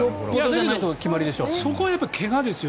そこは怪我ですよ